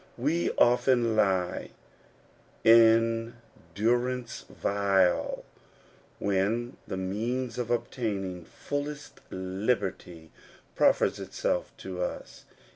We often He in durance vile when the means of obtaining fullest liberty proffers itself to us.